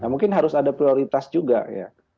mungkin harus ada prioritas juga ya